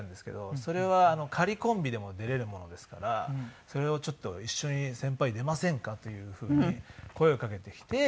それは仮コンビでも出れるものですからそれをちょっと「一緒に先輩出ませんか？」というふうに声をかけてきて。